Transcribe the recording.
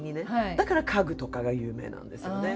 だから家具とかが有名なんですよね。